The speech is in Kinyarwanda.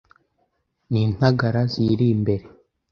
N'intagara ziyiri imbere